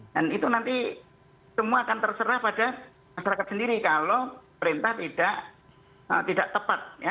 dan itu nanti semua akan terserah pada masyarakat sendiri kalau perintah tidak tepat ya